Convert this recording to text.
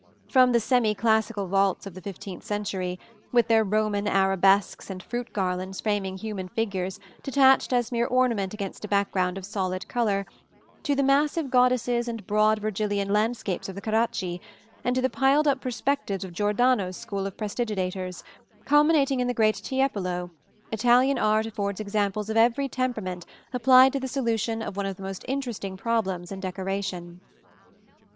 From the semi classical vaults of the fifteenth century, with their Roman arabesques and fruit garlands framing human figures detached as mere ornament against a background of solid color, to the massive goddesses and broad Virgilian landscapes of the Carracci and to the piled up perspectives of Giordano's school of prestidigitators, culminating in the great Tiepolo, Italian art affords examples of every temperament applied to the solution of one of the most interesting problems in decoration.